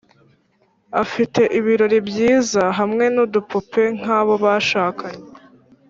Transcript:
afite ibirori byiza hamwe nudupupe nkabo bashakanye